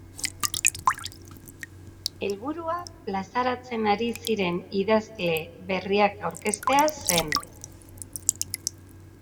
Helburua plazaratzen ari ziren idazle berriak aurkeztea zen.